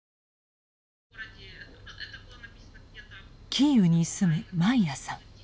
キーウに住むマイヤさん。